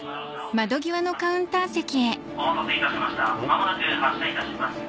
お待たせいたしました間もなく発車いたします。